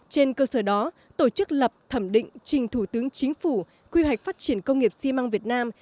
trên cơ sở đó tổ chức lập thẩm định trình thủ tướng chính phủ quy hoạch phát triển công nghiệp xi măng việt nam